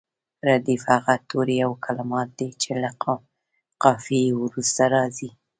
ردیف هغه توري او کلمات دي چې له قافیې وروسته راځي.